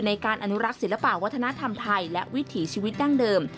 ในการอนุรักษ์ศิลปะวัฒนธรรมไทยและวิถีชีวิตดั้งเดิม